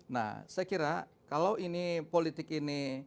nah saya kira kalau ini politik ini